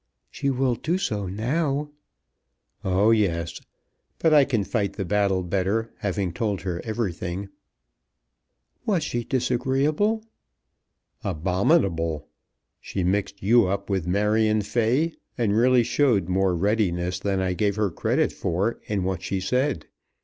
"She will do so now." "Oh, yes; but I can fight the battle better, having told her everything." "Was she disagreeable?" "Abominable! She mixed you up with Marion Fay, and really showed more readiness than I gave her credit for in what she said.